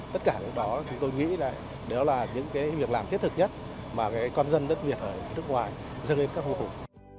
tất cả những đó chúng tôi nghĩ là đó là những việc làm thiết thực nhất mà con dân đất việt ở nước ngoài dâng lên các khu vực